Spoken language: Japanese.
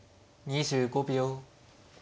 ２５秒。